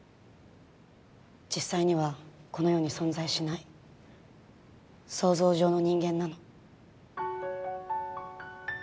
実際にはこの世に存在しない想像上の人間なの。